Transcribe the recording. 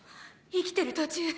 生きてる途中！